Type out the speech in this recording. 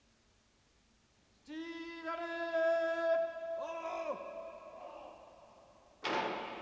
お！